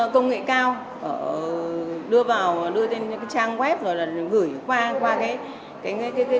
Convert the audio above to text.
công nghệ cao đưa vào trang web rồi gửi qua cậu mà đến giới thiệu với bản thân gia đình nhà tôi